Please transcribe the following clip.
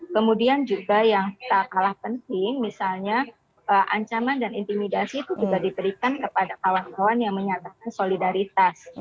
kemudian juga yang tak kalah penting misalnya ancaman dan intimidasi itu juga diberikan kepada kawan kawan yang menyatakan solidaritas